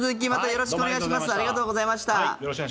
よろしくお願いします。